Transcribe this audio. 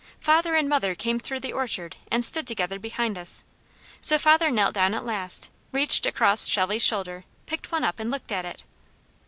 Father and mother came through the orchard and stood together behind us, so father knelt down at last, reached across Shelley's shoulder, picked one up and looked at it.